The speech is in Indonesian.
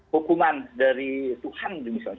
hukuman dari tuhan misalnya